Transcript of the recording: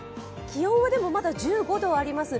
気温はでもまだ１５度あります。